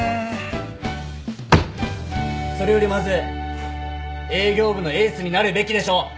それよりまず営業部のエースになるべきでしょ！